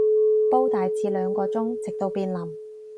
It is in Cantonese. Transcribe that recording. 煲大致兩個鐘，直到變腍